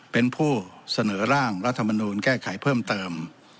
เป็นผู้เสนอร่างรัฐมนูลแก้ไขเพิ่มเติม